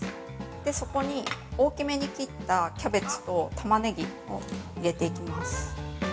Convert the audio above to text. そこに大きめに切ったキャベツとタマネギを入れていきます。